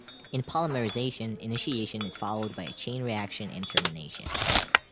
In polymerisation, initiation is followed by a chain reaction and termination.